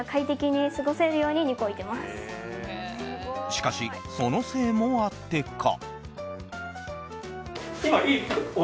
しかし、そのせいもあってか。